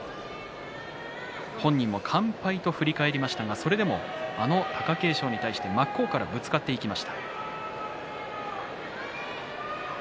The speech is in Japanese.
本人も完敗と振り返りましたがそれでも貴景勝に対して真っ向からぶつかっていきました。